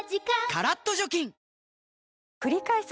カラッと除菌くりかえす